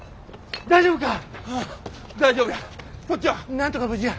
なんとか無事や。